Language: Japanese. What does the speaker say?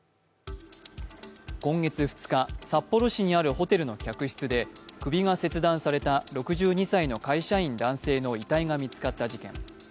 今月２日、札幌市にあるホテルの客室で首が切断された６２歳の会社員男性の遺体が見つかった事件。